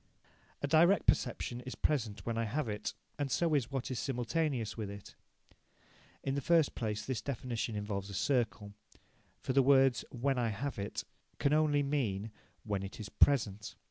A direct perception is present when I have it, and so is what is simultaneous with it. In the first place this definition involves a circle, for the words "when I have it," can only mean "when it is present".